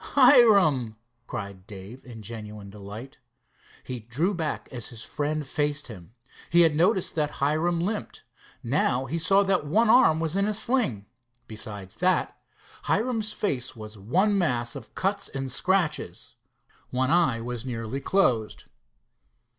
"Hiram!" cried Dave in genuine delight. He drew back as his friend faced him. He had noticed that Hiram limped. Now he saw that one arm was in a sling. Besides that, Hiram's face was one mass of cuts and scratches. One eye was nearly closed.